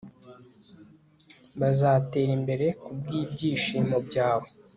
bazatera imbere kubwibyishimo byawe